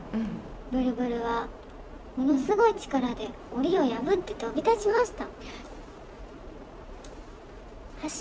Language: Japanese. ブルブルはものすごいちからでおりをやぶってとびだしました」。